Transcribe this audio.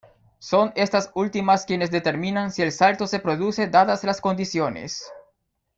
Son estas últimas quienes determinan si el salto se produce dadas las condiciones.